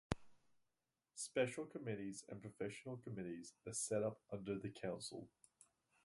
Special Committees and Professional Committees are set up under the Council.